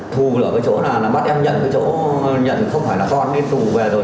thù ở cái chỗ là bắt em nhận cái chỗ nhận không phải là con đi trùng về rồi